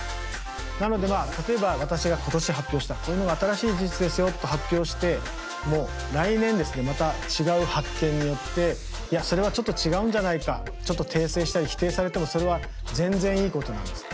なのでまあ例えば私が今年発表したこういうのが新しい事実ですよと発表しても来年ですねまた違う発見によっていやそれはちょっと違うんじゃないかちょっと訂正したり否定されてもそれは全然いいことなんです。